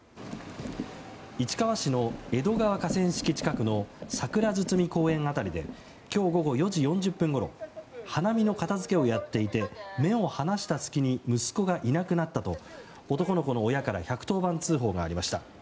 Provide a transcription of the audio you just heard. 市川市の江戸川河川敷近くのさくら堤公園辺りで今日午後４時４０分ごろ花見の片付けをやっていて目を離した隙に息子がいなくなったと男の子の親から１１０番通報がありました。